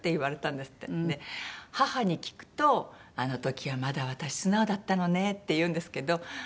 で母に聞くと「あの時はまだ私素直だったのね」って言うんですけど。